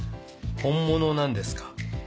本物なんですか？